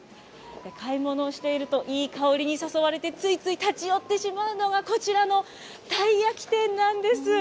買い物をしていると、いい香りに誘われて、ついつい立ち寄ってしまうのが、こちらのたい焼き店なんです。